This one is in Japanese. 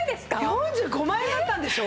４５万円だったんでしょ？